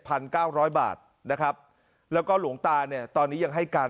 เก้าร้อยบาทนะครับแล้วก็หลวงตาเนี่ยตอนนี้ยังให้การ